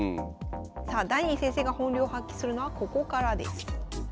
さあダニー先生が本領発揮するのはここからです。